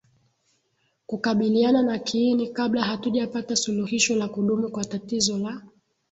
kukabiliana na kiini kabla hatujapata suluhisho la kudumu kwa tatizo la